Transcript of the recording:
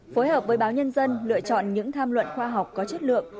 phối hợp với báo nhân dân lựa chọn những tham luận khoa học có chất lượng